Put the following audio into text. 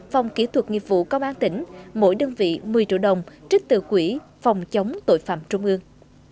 phòng kỹ thuật nghiệp vụ công an tỉnh mỗi đơn vị một mươi triệu đồng trích từ quỹ phòng chống tội phạm trung ương